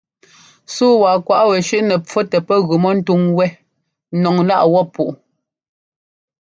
Súu wa kwaꞌ wɛ shʉ́ꞌnɛ ḿpfú tɛ pɛ́ gʉ mɔ ńtúŋ wɛ́ nɔŋláꞌ wɔp púꞌu.